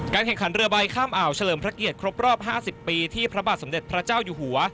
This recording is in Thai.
แข่งขันเรือใบข้ามอ่าวเฉลิมพระเกียรติครบรอบ๕๐ปีที่พระบาทสมเด็จพระเจ้าอยู่หัว